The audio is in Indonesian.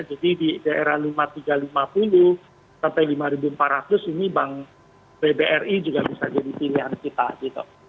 jadi di daerah rp lima tiga ratus lima puluh sampai rp lima empat ratus ini bank pbri juga bisa jadi pilihan kita gitu